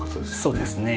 そうですね。